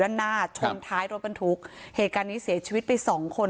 ด้านหน้าชนท้ายรถบรรทุกเหตุการณ์นี้เสียชีวิตไปสองคน